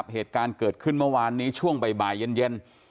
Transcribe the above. เหตุการณ์เกิดขึ้นเมื่อวานนี้ช่วงบ่ายเย็น